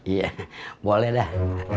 iya boleh dah